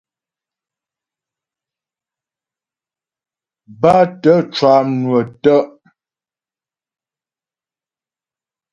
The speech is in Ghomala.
Bátə̀ cwànwə̀ tə'.